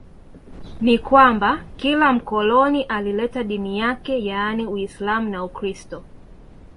Ni kwamba kila mkoloni alileta dini yake yaani Uislamu na Ukristo